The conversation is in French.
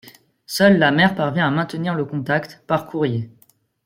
Seule la mère parvient à maintenir le contact, par courrier.